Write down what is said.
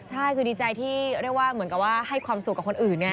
ใช่คือดีใจที่เรียกว่าเหมือนกับว่าให้ความสุขกับคนอื่นไง